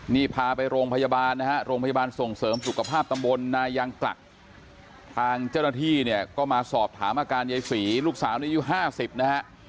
นี่พาไปโรงพยาบาลนะฮะโรงพยาบาลส่งเสริมสุขภาพตำบลนายางกลักทางเจ้าหน้าที่เนี่ยก็มาสอบถามอาการยายศรีลูกสาวนี้อายุ๕๐นะฮะ